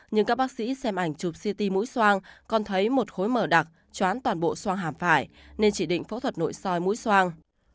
nhưng các bác sĩ xem ảnh chụp ct mũi soang còn thấy một khối mở đặc choán toàn bộ soang hàm phải nên chỉ định phẫu thuật nội soi mũi xoang